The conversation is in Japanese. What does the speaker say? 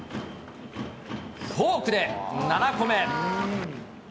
フォークで７個目。